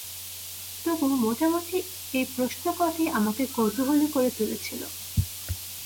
তবু মোটামুটি এই প্রশ্ন কটিই আমাকে কৌতুহলী করে তুলেছিল।